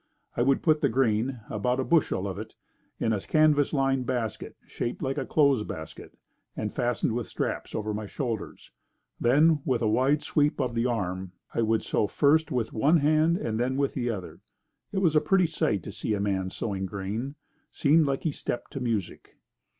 I would put the grain, about a bushel of it, in a canvas lined basket, shaped like a clothes basket and fastened with straps over my shoulders, then with a wide sweep of the arm, I would sow first with one hand and then with the other. It was a pretty sight to see a man sowing grain. Seemed like he stepped to music.